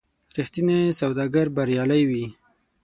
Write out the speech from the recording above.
رښتینی سوداګر بریالی وي.